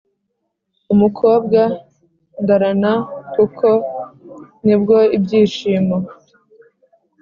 Umukobwa ndarana kuko nibwo ibyishimo